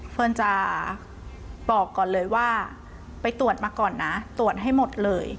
เพื่อนจะบอกก่อนเลยว่าไปตรวจมาก่อนนะตรวจให้หมดเลย